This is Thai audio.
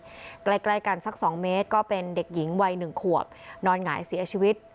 อยู่ใกล้ใกล้กันสัก๒เมตรก็เป็นเด็กหญิงวัย๑ขวบนอนหงายเสียชีวิต